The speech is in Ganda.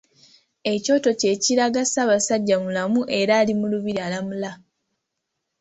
Ekyoto kye kilaga Ssaabasajja mulamu era ali mu lubiri alamula.